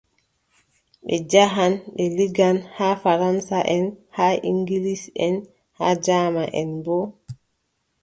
Ɓe njaahan ɓe liggan, haa faransaʼen haa iŋgilisʼen haa jaamanʼen boo .